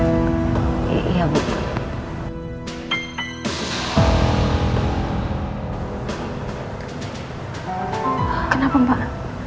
gak ada apa apa mbak